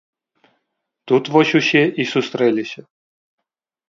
Тут вось усе і сустрэліся.